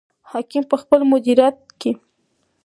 حاکم په خپل مدیریت کې.